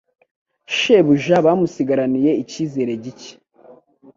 Shebuja bamusigaraniye icyizere gike,